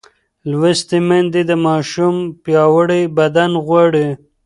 لوستې میندې د ماشوم پیاوړی بدن غواړي.